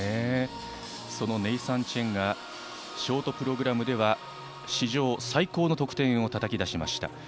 そのネイサン・チェンがショートプログラムでは史上最高の得点をたたき出しました。